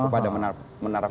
kepada menara pengawas